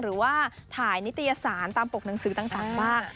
หรือว่าถ่ายนิตยสารตามปกหนังสือต่างบ้าง